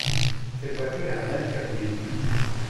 Cette voiture est la même que la mienne.